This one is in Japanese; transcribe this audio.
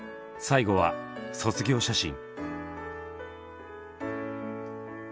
最後は「卒業写真」。